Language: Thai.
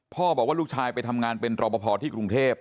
บอกว่าลูกชายไปทำงานเป็นรอปภที่กรุงเทพ